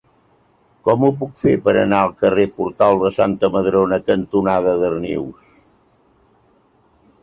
Com ho puc fer per anar al carrer Portal de Santa Madrona cantonada Darnius?